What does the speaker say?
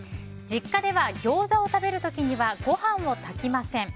実家ではギョーザを食べる時にはご飯を炊きません。